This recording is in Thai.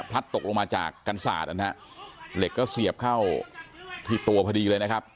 ตกลงมาจากกันศาสตร์นะฮะเหล็กก็เสียบเข้าที่ตัวพอดีเลยนะครับ